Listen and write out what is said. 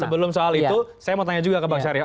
sebelum soal itu saya mau tanya juga ke bang syarif